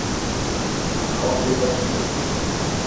Unthâld dit webstee.